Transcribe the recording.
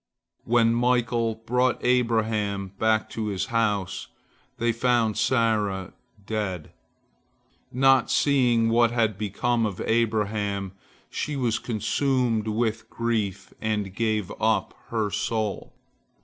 When Michael brought Abraham back to his house, they found Sarah dead. Not seeing what had become of Abraham, she was consumed with grief and gave up her soul.